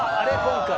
今回？